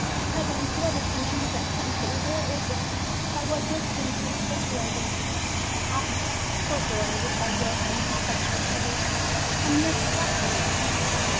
Heavens! what is the name of that country? Where is it? At what distance is it situated?" "Eh, poor boy," replied the old woman, touched with pity ; "a mere trifle